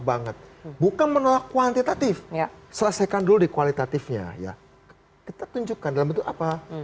banget bukan menolak kuantitatif selesaikan dulu di kualitatifnya ya kita tunjukkan lebar